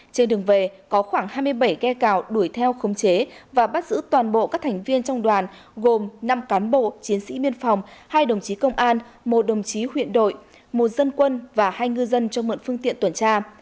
trên đường về có khoảng hai mươi bảy ghe cào đuổi theo khống chế và bắt giữ toàn bộ các thành viên trong đoàn gồm năm cán bộ chiến sĩ biên phòng hai đồng chí công an một đồng chí huyện đội một dân quân và hai ngư dân cho mượn phương tiện tuần tra